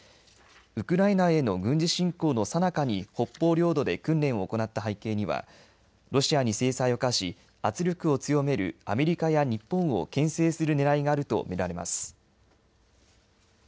ウクライナへの軍事侵攻のさなかに北方領土で訓練を行った背景にはロシアに制裁を科し圧力を強めるアメリカや日本をけん制するねらいがあると見られます。